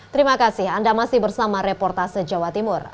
terima kasih anda masih bersama reportase jawa timur